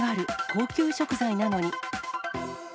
高級食材なのに。